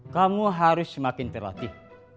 kamu harus semakin terlatih